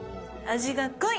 味が濃い！